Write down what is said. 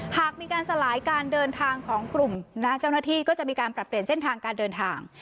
หากมีการสลายการเดินทางของกลุ่มเจ้าหน้าที่ก็จะมีการปรับเปลี่ยนเส้นทางการเดินทาง